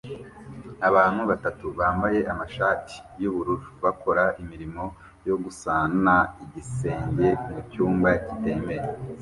Abantu batatu bambaye amashati yubururu bakora imirimo yo gusana igisenge mucyumba kitemewe